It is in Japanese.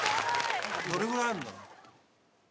どれぐらいあるんだろう？